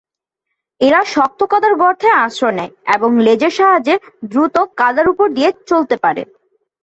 এরা শক্ত কাদার গর্তে আশ্রয় নেয় এবং লেজের সাহায্যে দ্রুত কাদার উপর দিয়ে চলতে পারে।